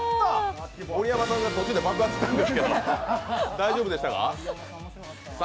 盛山さんが途中で爆発したんですけど大丈夫でしたか？